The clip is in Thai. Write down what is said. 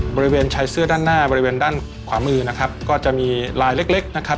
บริเวณชายเสื้อด้านหน้าบริเวณด้านขวามือนะครับก็จะมีลายเล็กเล็กนะครับ